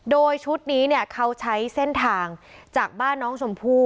โดยชุดนี้เนี่ยเขาใช้เส้นทางจากบ้านน้องชมพู่